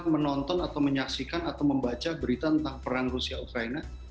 menonton atau menyaksikan atau membaca berita tentang perang rusia ukraina